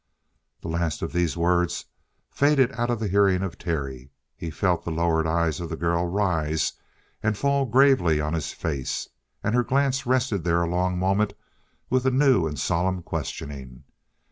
The last of these words faded out of the hearing of Terry. He felt the lowered eyes of the girl rise and fall gravely on his face, and her glance rested there a long moment with a new and solemn questioning.